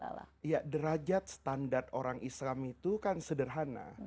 ya derajat standar orang islam itu kan sederhana